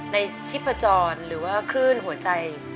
ชิพจรหรือว่าคลื่นหัวใจ